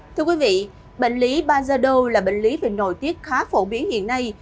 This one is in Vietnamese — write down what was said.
thưa quý vị bệnh lý pajado là bệnh lý về nổi tiếc khá phổ biến hiện nay